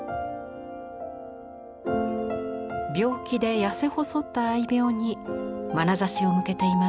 病気で痩せ細った愛猫にまなざしを向けています。